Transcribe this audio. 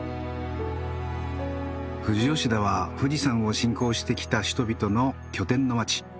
富士吉田は富士山を信仰してきた人々の拠点の町。